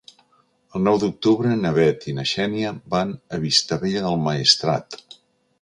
El nou d'octubre na Bet i na Xènia van a Vistabella del Maestrat.